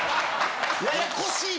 ややこしい。